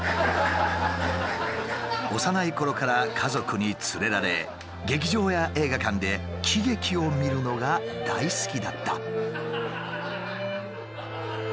幼いころから家族に連れられ劇場や映画館で喜劇を見るのが大好きだった。